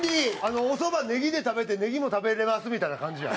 おそば、ねぎで食べて、ねぎも食べれますみたいな感じや。